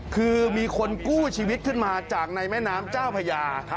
คือมีคนกู้ชีวิตขึ้นมาจากในแม่น้ำเจ้าพญา